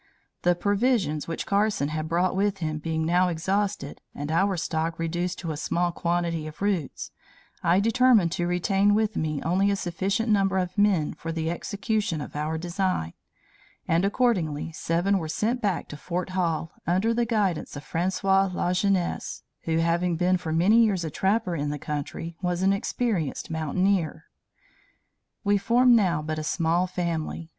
"The provisions which Carson had brought with him being now exhausted, and our stock reduced to a small quantity of roots, I determined to retain with me only a sufficient number of men for the execution of our design; and accordingly seven were sent back to Fort Hall, under the guidance of Francois Lajeunesse, who, having been for many years a trapper in the country, was an experienced mountaineer. "We formed now but a small family.